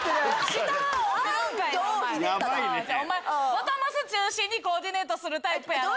ボトムス中心にコーディネートするタイプやろ。